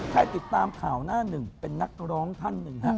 ใครติดตามข่าวหน้าหนึ่งเป็นนักร้องท่านหนึ่งฮะ